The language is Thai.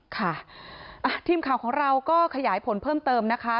ค่ะทีมข่าวของเราก็ขยายผลเพิ่มเติมนะคะ